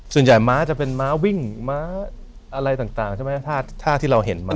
ส่วนใหญ่ม้าจะเป็นม้าวิ่งม้าอะไรต่างถ้าที่เราเห็นม้า